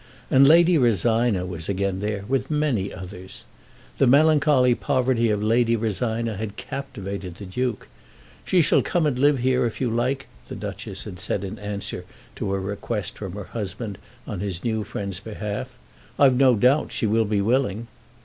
And Lady Rosina was again there, with many others. The melancholy poverty of Lady Rosina had captivated the Duke. "She shall come and live here, if you like," the Duchess had said in answer to a request from her husband on his new friend's behalf, "I've no doubt she will be willing."